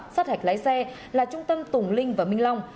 sát hạch lái xe là trung tâm tùng linh và minh long